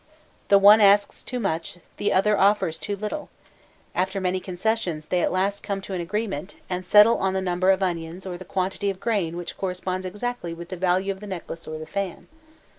The one asks too much, the other offers too little; after many concessions, they at last come to an agreement, and settle on the number of onions or the quantity of grain which corresponds exactly with the value of the necklace or the fan.